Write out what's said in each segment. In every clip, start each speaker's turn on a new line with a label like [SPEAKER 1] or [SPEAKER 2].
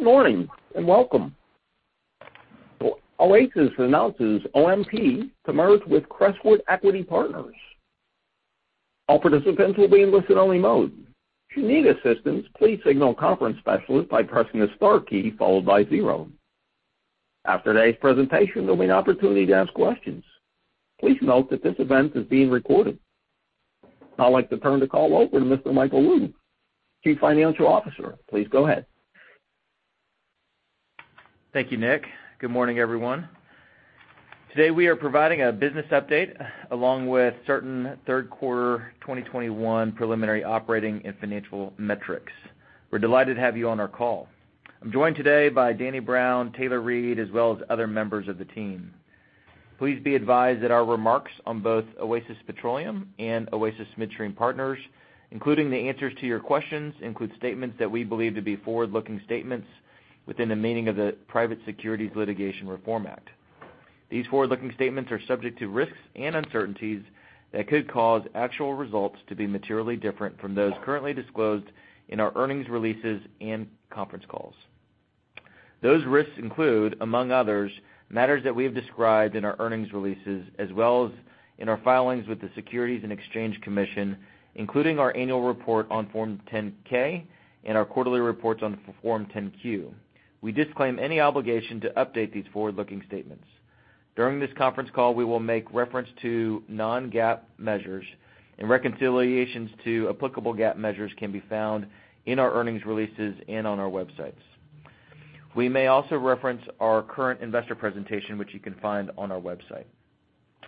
[SPEAKER 1] Good morning, and welcome. Oasis announces OMP to merge with Crestwood Equity Partners. All participants will be in listen-only mode. If you need assistance, please signal a conference specialist by pressing the star key followed by zero. After today's presentation, there'll be an opportunity to ask questions. Please note that this event is being recorded. I'd like to turn the call over to Mr. Michael Lou, Chief Financial Officer. Please go ahead.
[SPEAKER 2] Thank you, Nick. Good morning, everyone. Today, we are providing a business update along with certain third quarter 2021 preliminary operating and financial metrics. We're delighted to have you on our call. I'm joined today by Danny Brown, Taylor Reid, as well as other members of the team. Please be advised that our remarks on both Oasis Petroleum and Oasis Midstream Partners, including the answers to your questions, include statements that we believe to be forward-looking statements within the meaning of the Private Securities Litigation Reform Act. These forward-looking statements are subject to risks and uncertainties that could cause actual results to be materially different from those currently disclosed in our earnings releases and conference calls. Those risks include, among others, matters that we have described in our earnings releases, as well as in our filings with the Securities and Exchange Commission, including our annual report on Form 10-K and our quarterly reports on Form 10-Q. We disclaim any obligation to update these forward-looking statements. During this conference call, we will make reference to non-GAAP measures and reconciliations to applicable GAAP measures can be found in our earnings releases and on our websites. We may also reference our current investor presentation, which you can find on our website.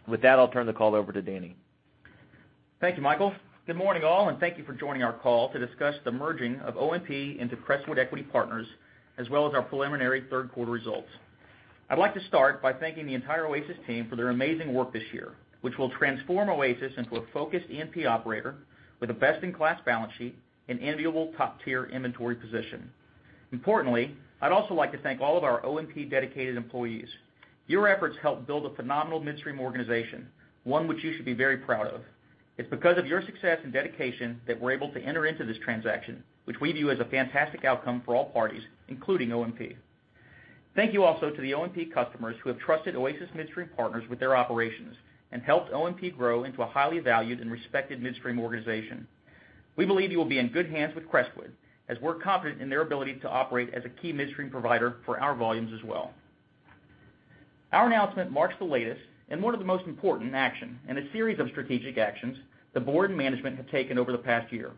[SPEAKER 2] With that, I'll turn the call over to Danny.
[SPEAKER 3] Thank you, Michael. Good morning, all, and thank you for joining our call to discuss the merging of OMP into Crestwood Equity Partners, as well as our preliminary third quarter results. I'd like to start by thanking the entire Oasis team for their amazing work this year, which will transform Oasis into a focused E&P operator with a best-in-class balance sheet and enviable top-tier inventory position. Importantly, I'd also like to thank all of our OMP dedicated employees. Your efforts helped build a phenomenal midstream organization, one which you should be very proud of. It's because of your success and dedication that we're able to enter into this transaction, which we view as a fantastic outcome for all parties, including OMP. Thank you also to the OMP customers who have trusted Oasis Midstream Partners with their operations and helped OMP grow into a highly valued and respected midstream organization. We believe you will be in good hands with Crestwood, as we're confident in their ability to operate as a key midstream provider for our volumes as well. Our announcement marks the latest and one of the most important action in a series of strategic actions the board and management have taken over the past year.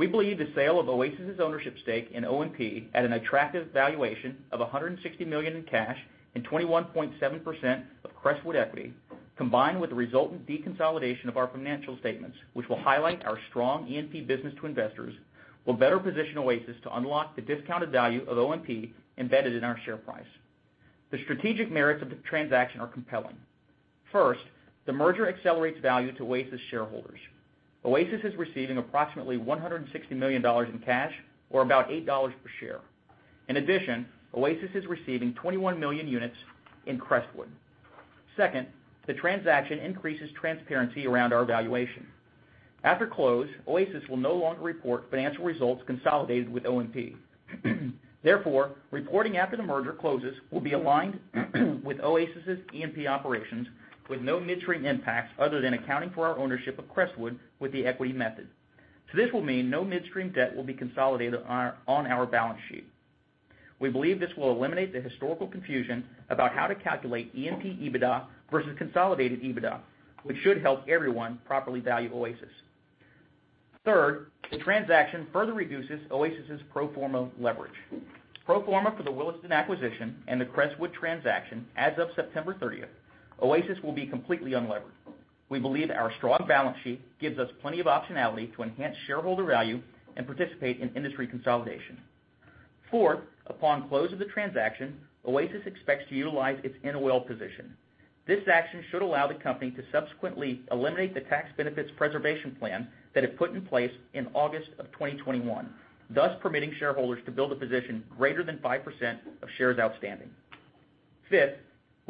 [SPEAKER 3] We believe the sale of Oasis's ownership stake in OMP at an attractive valuation of $160 million in cash and 21.7% of Crestwood Equity, combined with the resultant deconsolidation of our financial statements, which will highlight our strong E&P business to investors, will better position Oasis to unlock the discounted value of OMP embedded in our share price. The strategic merits of the transaction are compelling. First, the merger accelerates value to Oasis shareholders. Oasis is receiving approximately $160 million in cash or about $8 per share. In addition, Oasis is receiving 21 million units in Crestwood. Second, the transaction increases transparency around our valuation. After close, Oasis will no longer report financial results consolidated with OMP. Therefore, reporting after the merger closes will be aligned with Oasis's E&P operations with no midstream impacts other than accounting for our ownership of Crestwood with the equity method. This will mean no midstream debt will be consolidated on our balance sheet. We believe this will eliminate the historical confusion about how to calculate E&P EBITDA versus consolidated EBITDA, which should help everyone properly value Oasis. Third, the transaction further reduces Oasis's pro forma leverage. Pro forma for the Williston acquisition and the Crestwood transaction as of September 30th, Oasis will be completely unlevered. We believe our strong balance sheet gives us plenty of optionality to enhance shareholder value and participate in industry consolidation. Fourth, upon close of the transaction, Oasis expects to utilize its NOL position. This action should allow the company to subsequently eliminate the tax benefits preservation plan that it put in place in August 2021, thus permitting shareholders to build a position greater than 5% of shares outstanding. Fifth,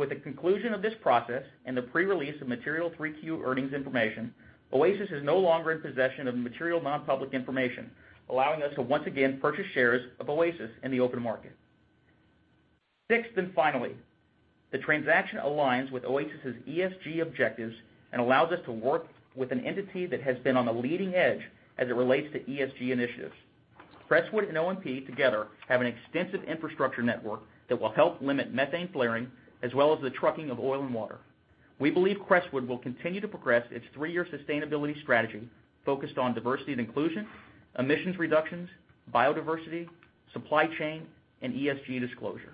[SPEAKER 3] with the conclusion of this process and the pre-release of material 3Q earnings information, Oasis is no longer in possession of material non-public information, allowing us to once again purchase shares of Oasis in the open market. Sixth and finally, the transaction aligns with Oasis's ESG objectives and allows us to work with an entity that has been on the leading edge as it relates to ESG initiatives. Crestwood and OMP together have an extensive infrastructure network that will help limit methane flaring as well as the trucking of oil and water. We believe Crestwood will continue to progress its three-year sustainability strategy focused on diversity and inclusion, emissions reductions, biodiversity, supply chain, and ESG disclosure.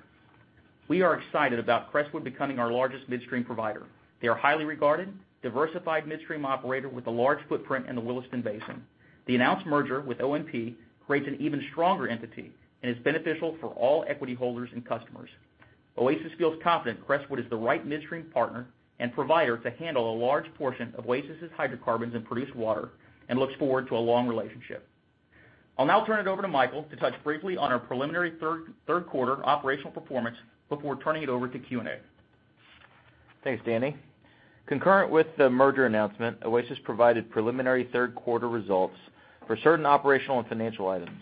[SPEAKER 3] We are excited about Crestwood becoming our largest midstream provider. They are a highly regarded, diversified midstream operator with a large footprint in the Williston Basin. The announced merger with OMP creates an even stronger entity and is beneficial for all equity holders and customers. Oasis feels confident Crestwood is the right midstream partner and provider to handle a large portion of Oasis's hydrocarbons and produced water and looks forward to a long relationship. I'll now turn it over to Michael to touch briefly on our preliminary third quarter operational performance before turning it over to Q&A.
[SPEAKER 2] Thanks, Danny. Concurrent with the merger announcement, Oasis provided preliminary third quarter results for certain operational and financial items.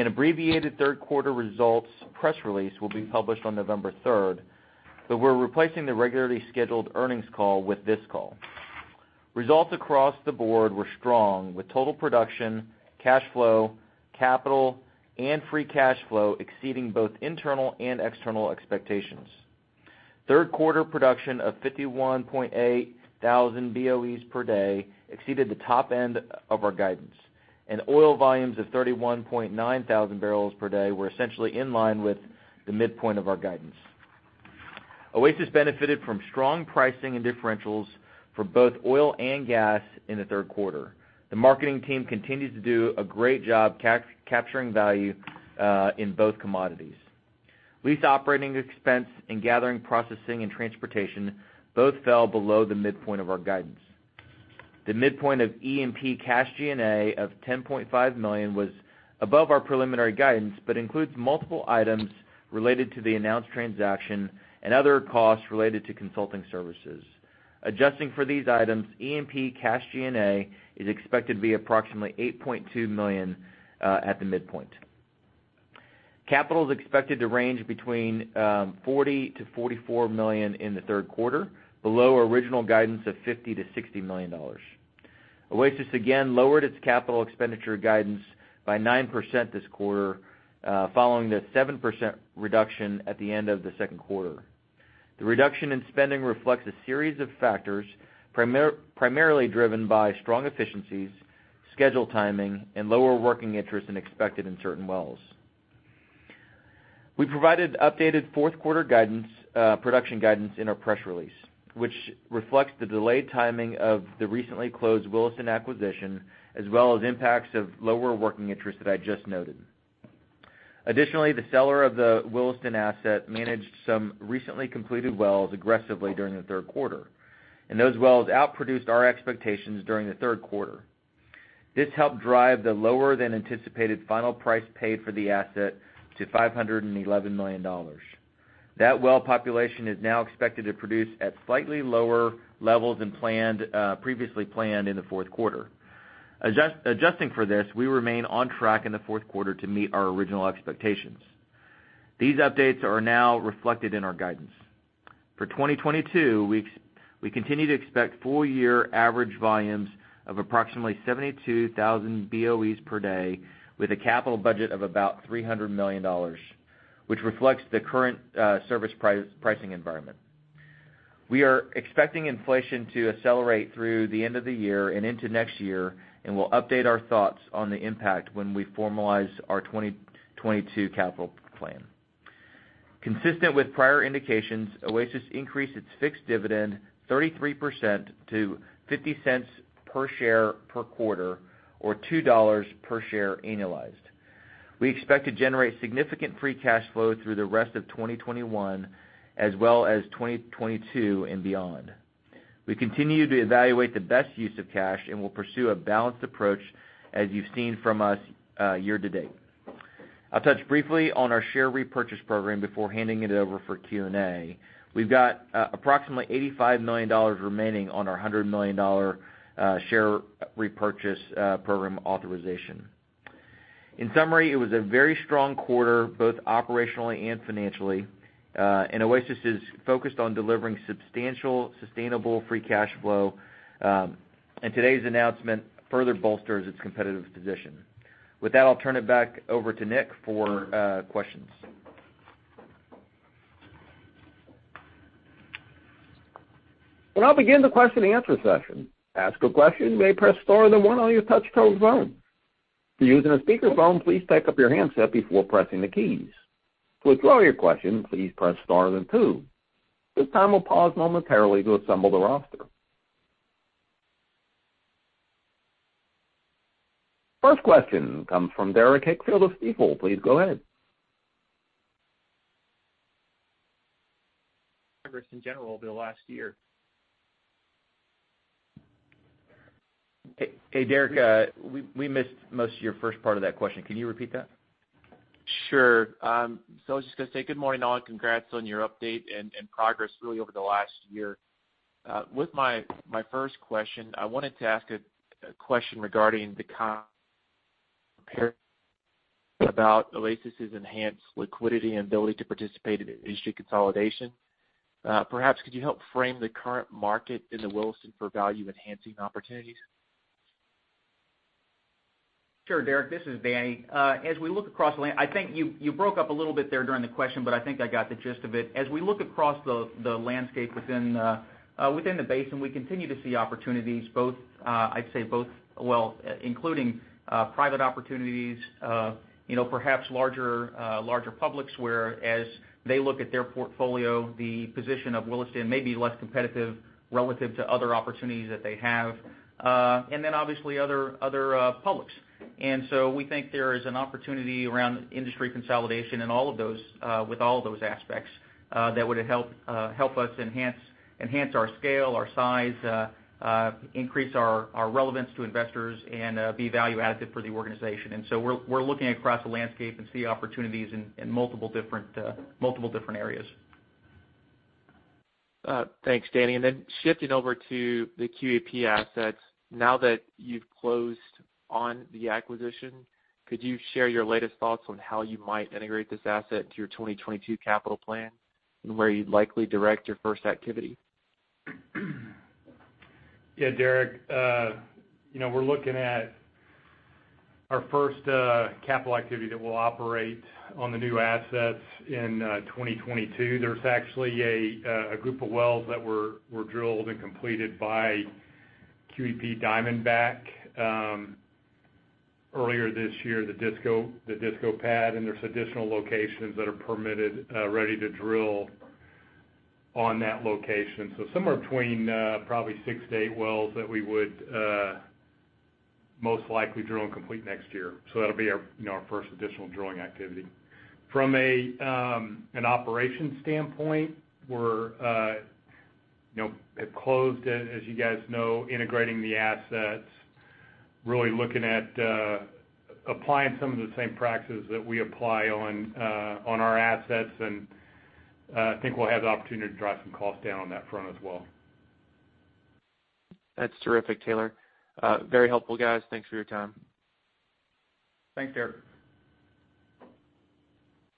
[SPEAKER 2] An abbreviated third quarter results press release will be published on November 3rd, but we're replacing the regularly scheduled earnings call with this call. Results across the board were strong, with total production, cash flow, capital, and free cash flow exceeding both internal and external expectations. Third quarter production of 51,800 BOE/d exceeded the top end of our guidance, and oil volumes of 31,900 bpd were essentially in line with the midpoint of our guidance. Oasis benefited from strong pricing and differentials for both oil and gas in the third quarter. The marketing team continues to do a great job capturing value in both commodities. Lease operating expense and gathering, processing, and transportation both fell below the midpoint of our guidance. The midpoint of E&P cash G&A of $10.5 million was above our preliminary guidance, but includes multiple items related to the announced transaction and other costs related to consulting services. Adjusting for these items, E&P cash G&A is expected to be approximately $8.2 million at the midpoint. Capital is expected to range between $40 million-$44 million in the third quarter, below original guidance of $50 million-$60 million. Oasis again lowered its capital expenditure guidance by 9% this quarter, following the 7% reduction at the end of the second quarter. The reduction in spending reflects a series of factors, primarily driven by strong efficiencies, schedule timing, and lower working interest than expected in certain wells. We provided updated fourth quarter guidance, production guidance in our press release, which reflects the delayed timing of the recently closed Williston acquisition, as well as impacts of lower working interest that I just noted. Additionally, the seller of the Williston asset managed some recently completed wells aggressively during the third quarter, and those wells outproduced our expectations during the third quarter. This helped drive the lower than anticipated final price paid for the asset to $511 million. That well population is now expected to produce at slightly lower levels than planned, previously planned in the fourth quarter. Adjusting for this, we remain on track in the fourth quarter to meet our original expectations. These updates are now reflected in our guidance. For 2022, we continue to expect full year average volumes of approximately 72,000 BOE/d, with a capital budget of about $300 million, which reflects the current service pricing environment. We are expecting inflation to accelerate through the end of the year and into next year, and we'll update our thoughts on the impact when we formalize our 2022 capital plan. Consistent with prior indications, Oasis increased its fixed dividend 33% to $0.50 per share per quarter, or $2 per share annualized. We expect to generate significant free cash flow through the rest of 2021, as well as 2022 and beyond. We continue to evaluate the best use of cash and will pursue a balanced approach as you've seen from us year-to-date. I'll touch briefly on our share repurchase program before handing it over for Q&A. We've got approximately $85 million remaining on our $100 million share repurchase program authorization. In summary, it was a very strong quarter, both operationally and financially, and Oasis is focused on delivering substantial, sustainable free cash flow, and today's announcement further bolsters its competitive position. With that, I'll turn it back over to Nick for questions.
[SPEAKER 1] We'll now begin the question-and-answer session. To ask a question, you may press star then one on your touchtone phone. If you're using a speakerphone, please take up your handset before pressing the keys. To withdraw your question, please press star then two. This time, we'll pause momentarily to assemble the roster. First question comes from Derrick Whitfield of Stifel. Please go ahead.
[SPEAKER 4] Members in general over the last year.
[SPEAKER 3] Hey, Derrick, we missed most of your first part of that question. Can you repeat that?
[SPEAKER 4] Sure. I was just gonna say good morning, all, and congrats on your update and progress really over the last year. With my first question, I wanted to ask a question regarding about Oasis' enhanced liquidity and ability to participate in industry consolidation. Perhaps could you help frame the current market in the Williston for value enhancing opportunities?
[SPEAKER 3] Sure, Derrick. This is Danny. I think you broke up a little bit there during the question, but I think I got the gist of it. As we look across the landscape within the basin, we continue to see opportunities, I'd say, including private opportunities, you know, perhaps larger publics, where, as they look at their portfolio, the position of Williston may be less competitive relative to other opportunities that they have, and then obviously other publics. We think there is an opportunity around industry consolidation in all of those, with all those aspects, that would help us enhance our scale, our size, increase our relevance to investors, and be value additive for the organization. We're looking across the landscape and see opportunities in multiple different areas.
[SPEAKER 4] Thanks, Danny. Shifting over to the QEP assets. Now that you've closed on the acquisition, could you share your latest thoughts on how you might integrate this asset into your 2022 capital plan and where you'd likely direct your first activity?
[SPEAKER 5] Yeah, Derrick. You know, we're looking at our first capital activity that will operate on the new assets in 2022. There's actually a group of wells that were drilled and completed by QEP, Diamondback earlier this year, the Disco, the Disco pad, and there's additional locations that are permitted, ready to drill on that location. So somewhere between probably six to eight wells that we would most likely drill and complete next year. So that'll be our, you know, our first additional drilling activity. From an operations standpoint, we have closed, as you guys know, integrating the assets, really looking at applying some of the same practices that we apply on our assets. I think we'll have the opportunity to drive some costs down on that front as well.
[SPEAKER 4] That's terrific, Taylor. Very helpful, guys. Thanks for your time.
[SPEAKER 5] Thanks, Derrick.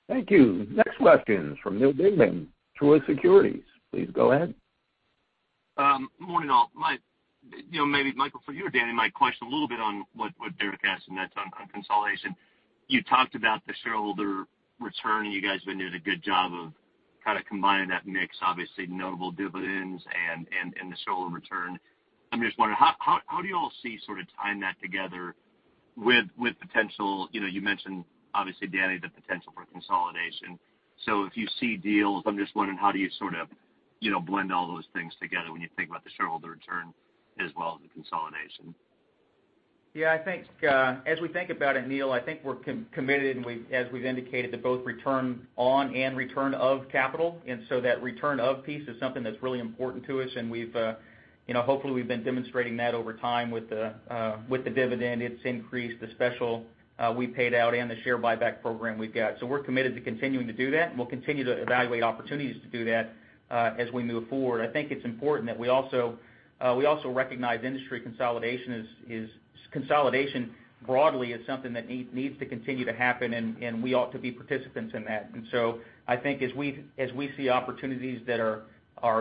[SPEAKER 1] Thank you. Next question is from Neal Dingmann, Truist Securities. Please go ahead.
[SPEAKER 6] Morning, all. You know, maybe Michael for you or Danny, my question a little bit on what Derrick asked, and that's on consolidation. You talked about the shareholder return, and you guys have been doing a good job of kind of combining that mix, obviously, notable dividends and the shareholder return. I'm just wondering, how do you all see sort of tying that together with potential, you know, you mentioned, obviously, Danny, the potential for consolidation. If you see deals, I'm just wondering, how do you sort of, you know, blend all those things together when you think about the shareholder return as well as the consolidation?
[SPEAKER 3] Yeah, I think, as we think about it, Neal, I think we're committed, and we've, as we've indicated, to both return on and return of capital. That return of piece is something that's really important to us, and we've, you know, hopefully, we've been demonstrating that over time with the dividend, it's increased, the special we paid out and the share buyback program we've got. We're committed to continuing to do that, and we'll continue to evaluate opportunities to do that, as we move forward. I think it's important that we also recognize industry consolidation broadly, is something that needs to continue to happen, and we ought to be participants in that. I think as we see opportunities that are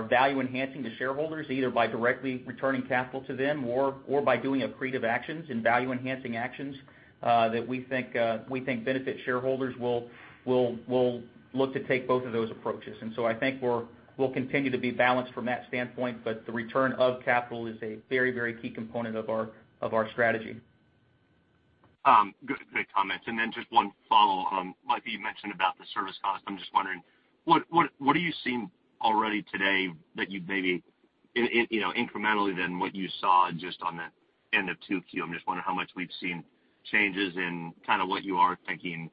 [SPEAKER 3] value enhancing to shareholders, either by directly returning capital to them or by doing accretive actions and value enhancing actions that we think benefit shareholders, we'll look to take both of those approaches. I think we'll continue to be balanced from that standpoint, but the return of capital is a very key component of our strategy.
[SPEAKER 6] Good. Great comments. Just one follow-on. Like you mentioned about the service cost, I'm just wondering what you're seeing already today that you're maybe seeing, you know, incrementally than what you saw just at the end of 2Q. I'm just wondering how much change we've seen in kind of what you are thinking,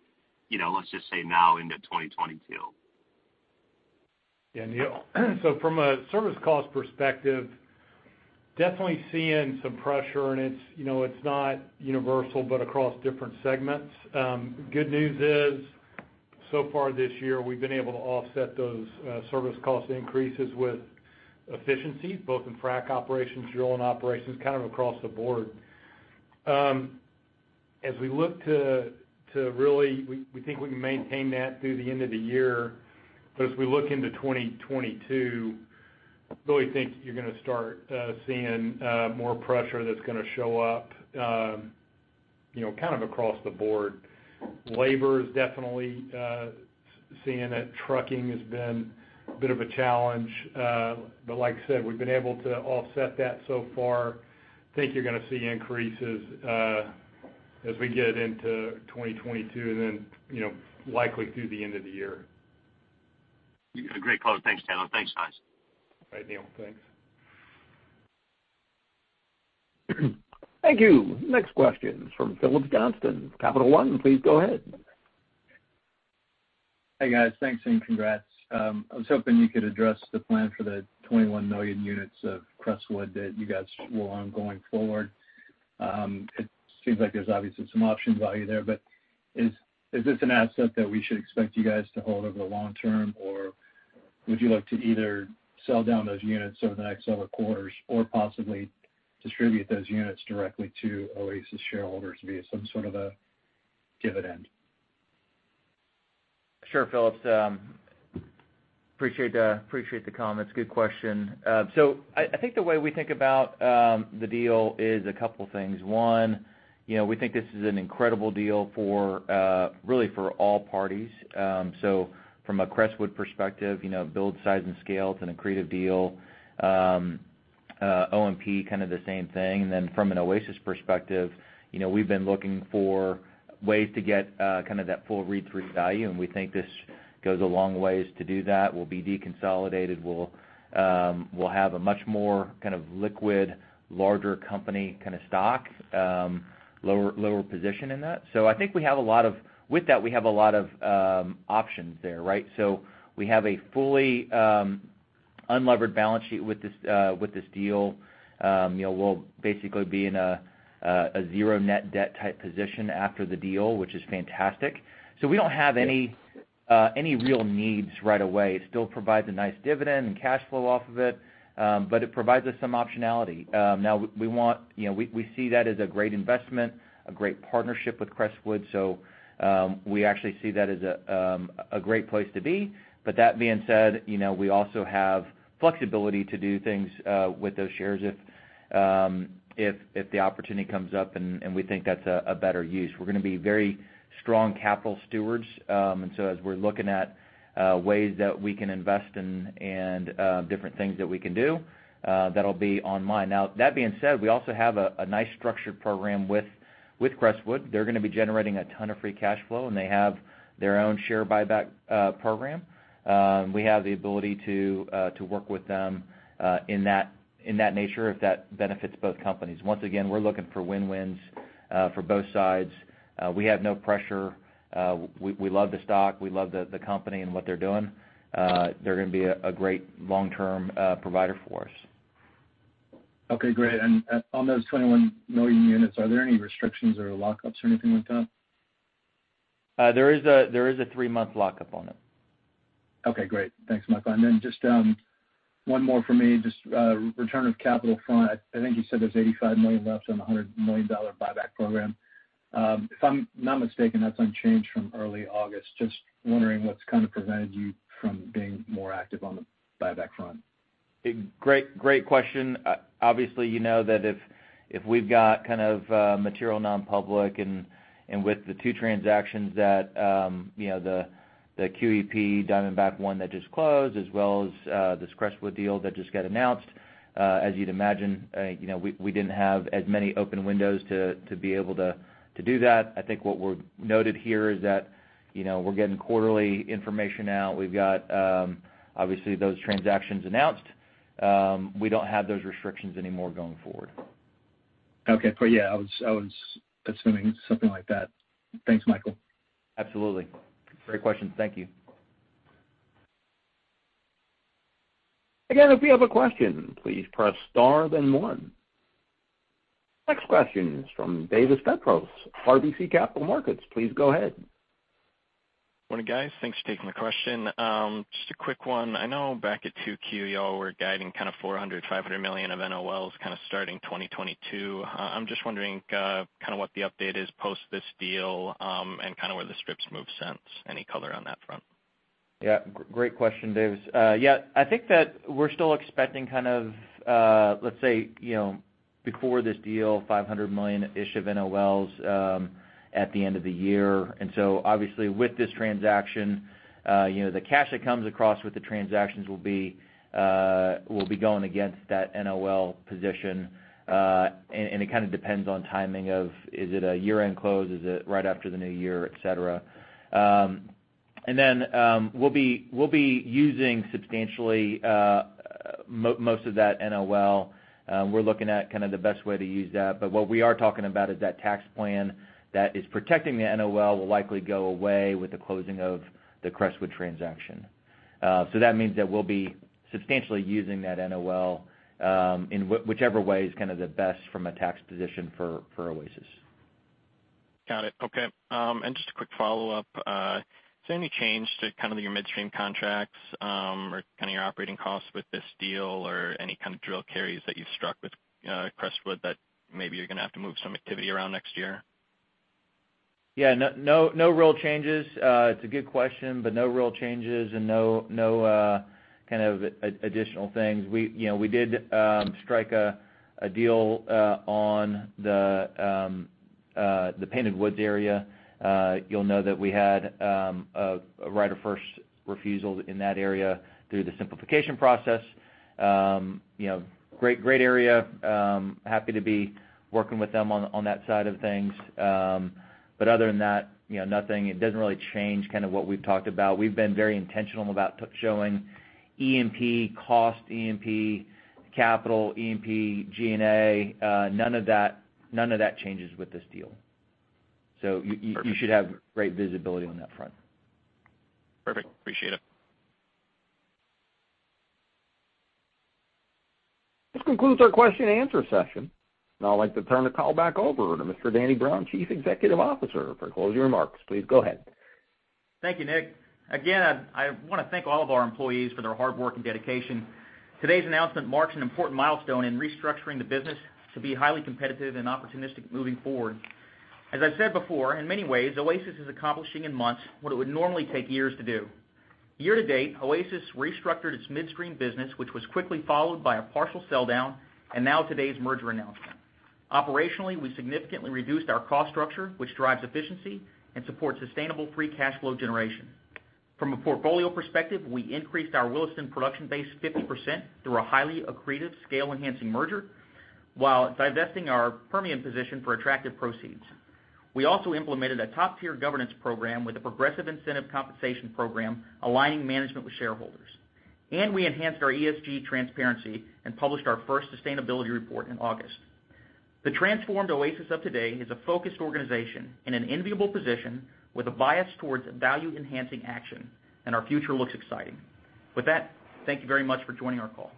[SPEAKER 6] you know, let's just say now into 2022.
[SPEAKER 5] Yeah, Neal. From a service cost perspective, definitely seeing some pressure, and it's, you know, it's not universal, but across different segments. Good news is, so far this year, we've been able to offset those service cost increases with efficiency, both in frack operations, drilling operations, kind of across the board. As we look to really we think we can maintain that through the end of the year. As we look into 2022, really think you're gonna start seeing more pressure that's gonna show up, you know, kind of across the board. Labor is definitely seeing it. Trucking has been a bit of a challenge. Like I said, we've been able to offset that so far. Think you're gonna see increases as we get into 2022, and then, you know, likely through the end of the year.
[SPEAKER 6] A great color. Thanks, Taylor. Thanks, guys.
[SPEAKER 5] All right, Neal. Thanks.
[SPEAKER 1] Thank you. Next question is from Phillips Johnston, Capital One. Please go ahead.
[SPEAKER 7] Hey, guys. Thanks and congrats. I was hoping you could address the plan for the 21 million units of Crestwood that you guys will own going forward. It seems like there's obviously some option value there, but is this an asset that we should expect you guys to hold over the long term, or would you like to either sell down those units over the next several quarters or possibly distribute those units directly to Oasis shareholders via some sort of a dividend?
[SPEAKER 2] Sure, Phillips. Appreciate the comments. Good question. I think the way we think about the deal is a couple things. One, you know, we think this is an incredible deal for really for all parties. From a Crestwood perspective, you know, build size and scale, it's an accretive deal. OMP, kind of the same thing. From an Oasis perspective, you know, we've been looking for ways to get kind of that full read-through value, and we think this goes a long ways to do that. We'll be deconsolidated. We'll have a much more kind of liquid, larger company kind of stock, lower position in that. I think with that, we have a lot of options there, right? We have a fully unlevered balance sheet with this deal. You know, we'll basically be in a zero net debt type position after the deal, which is fantastic. We don't have any real needs right away. It still provides a nice dividend and cash flow off of it, but it provides us some optionality. You know, we see that as a great investment, a great partnership with Crestwood. We actually see that as a great place to be. That being said, you know, we also have flexibility to do things with those shares if the opportunity comes up and we think that's a better use. We're gonna be very strong capital stewards. As we're looking at ways that we can invest and different things that we can do that'll be online. Now, that being said, we also have a nice structured program with Crestwood. They're gonna be generating a ton of free cash flow, and they have their own share buyback program. We have the ability to work with them in that nature if that benefits both companies. Once again, we're looking for win-wins for both sides. We have no pressure. We love the stock. We love the company and what they're doing. They're gonna be a great long-term provider for us.
[SPEAKER 7] Okay, great. On those 21 million units, are there any restrictions or lockups or anything like that?
[SPEAKER 2] There is a three-month lockup on it.
[SPEAKER 7] Okay, great. Thanks, Michael. Just one more for me on the return of capital front. I think you said there's $85 million left on a $100 million buyback program. If I'm not mistaken, that's unchanged from early August. Just wondering what's kind of prevented you from being more active on the buyback front.
[SPEAKER 2] Great question. Obviously, you know that if we've got kind of material non-public and with the two transactions that you know the QEP Diamondback one that just closed, as well as this Crestwood deal that just got announced, as you'd imagine, you know, we didn't have as many open windows to be able to do that. I think what we're noted here is that, you know, we're getting quarterly information out. We've got obviously those transactions announced. We don't have those restrictions anymore going forward.
[SPEAKER 7] Okay. Yeah, I was assuming something like that. Thanks, Michael.
[SPEAKER 2] Absolutely. Great question. Thank you.
[SPEAKER 1] Again, if you have a question, please press star then one. Next question is from David Petros, RBC Capital Markets. Please go ahead.
[SPEAKER 8] Morning, guys. Thanks for taking the question. Just a quick one. I know back at 2Q, y'all were guiding kind of $400 million-$500 million of NOLs kind of starting 2022. I'm just wondering, kind of what the update is post this deal, and kind of where the strips move since. Any color on that front?
[SPEAKER 2] Great question, David. I think that we're still expecting kind of, let's say, you know, before this deal, 500 million-ish of NOLs at the end of the year. Obviously, with this transaction, you know, the cash that comes across with the transactions will be going against that NOL position. It kind of depends on timing of is it a year-end close, is it right after the new year, et cetera. We'll be using substantially most of that NOL. We're looking at kind of the best way to use that. What we are talking about is that tax plan that is protecting the NOL will likely go away with the closing of the Crestwood transaction. That means that we'll be substantially using that NOL in whichever way is kind of the best from a tax position for Oasis.
[SPEAKER 8] Got it. Okay. Just a quick follow-up. Is there any change to kind of your midstream contracts, or kind of your operating costs with this deal or any kind of drill carries that you've struck with, you know, Crestwood that maybe you're gonna have to move some activity around next year?
[SPEAKER 2] No real changes. It's a good question, but no real changes and no kind of additional things. We, you know, we did strike a deal on the Painted Woods area. You'll know that we had a right of first refusal in that area through the simplification process. You know, great area. Happy to be working with them on that side of things. Other than that, you know, nothing. It doesn't really change kind of what we've talked about. We've been very intentional about showing E&P cost, E&P capital, E&P G&A. None of that changes with this deal. You-
[SPEAKER 8] Perfect.
[SPEAKER 2] You should have great visibility on that front.
[SPEAKER 8] Perfect. Appreciate it.
[SPEAKER 1] This concludes our question-and-answer session. Now I'd like to turn the call back over to Mr. Danny Brown, Chief Executive Officer, for closing remarks. Please go ahead.
[SPEAKER 3] Thank you, Nick. Again, I want to thank all of our employees for their hard work and dedication. Today's announcement marks an important milestone in restructuring the business to be highly competitive and opportunistic moving forward. As I said before, in many ways, Oasis is accomplishing in months what it would normally take years to do. Year-to-date, Oasis restructured its midstream business, which was quickly followed by a partial sell-down, and now today's merger announcement. Operationally, we significantly reduced our cost structure, which drives efficiency and supports sustainable free cash flow generation. From a portfolio perspective, we increased our Williston production base 50% through a highly accretive scale-enhancing merger while divesting our Permian position for attractive proceeds. We also implemented a top-tier governance program with a progressive incentive compensation program, aligning management with shareholders. We enhanced our ESG transparency and published our first sustainability report in August. The transformed Oasis of today is a focused organization in an enviable position with a bias towards value-enhancing action, and our future looks exciting. With that, thank you very much for joining our call.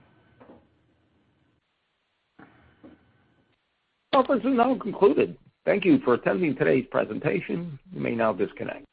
[SPEAKER 1] Our conference is now concluded. Thank you for attending today's presentation. You may now disconnect.